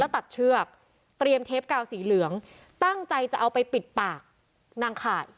ตัดเชือกเตรียมเทปกาวสีเหลืองตั้งใจจะเอาไปปิดปากนางข่าย